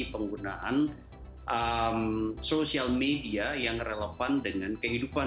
penggunaan sosial media yang relevan dengan kehidupan